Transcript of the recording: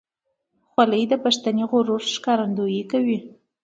خولۍ د پښتني غرور ښکارندویي کوي.